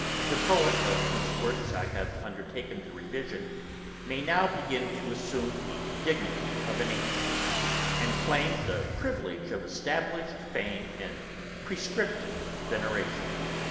The Poet, of whose works I have undertaken the revision, may now begin to assume the dignity of an ancient, and claim the privilege of established fame and prescriptive veneration.